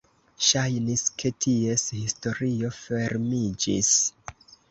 Ŝajnis, ke ties historio fermiĝis.